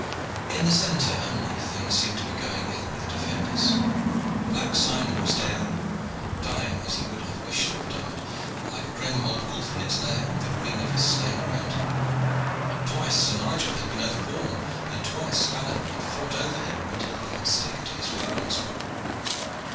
In the centre only things seemed to be going ill with the defenders. Black Simon was down dying, as he would wish to have died, like a grim old wolf in its lair with a ring of his slain around him. Twice Sir Nigel had been overborne, and twice Alleyne had fought over him until he had staggered to his feet once more.